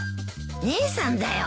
姉さんだよ。